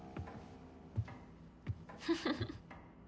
フフフ。